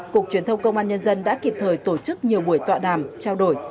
cục truyền thông công an nhân dân đã kịp thời tổ chức nhiều buổi tọa đàm trao đổi